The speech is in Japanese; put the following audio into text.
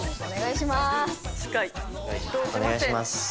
お願いしまーす。